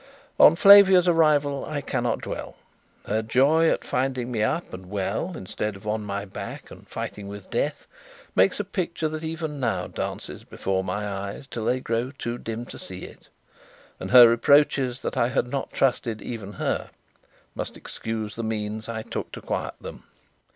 On Flavia's arrival I cannot dwell. Her joy at finding me up and well, instead of on my back and fighting with death, makes a picture that even now dances before my eyes till they grow too dim to see it; and her reproaches that I had not trusted even her must excuse the means I took to quiet them.